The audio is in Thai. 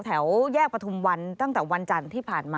แถวแยกประทุมวันตั้งแต่วันจันทร์ที่ผ่านมา